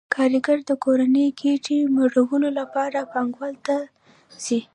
کارګر د کورنۍ ګېډې مړولو لپاره پانګوال ته ځي